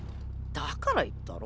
だから言ったろ。